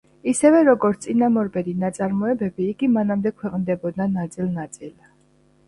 ისევე, როგორც წინამორბედი ნაწარმოებები, იგი მანამდე ქვეყნდებოდა ნაწილ-ნაწილ.